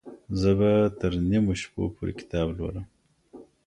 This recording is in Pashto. زه به تر نیمو شپو پورې کتاب لولم.